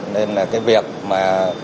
nên là cái việc mà